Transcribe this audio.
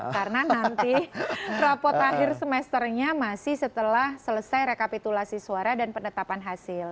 karena nanti rapot akhir semesternya masih setelah selesai rekapitulasi suara dan penetapan hasil